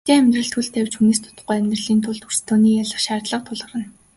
Хотын амьдралд хөл тавьж хүнээс дутахгүй амьдрахын тулд өрсөлдөөнийг ялах шаардлага тулгарна.